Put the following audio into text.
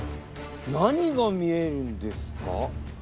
何が見えるんですか？